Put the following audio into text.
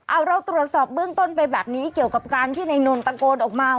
เอาเราตรวจสอบเบื้องต้นไปแบบนี้เกี่ยวกับการที่ในนนท์ตะโกนออกมา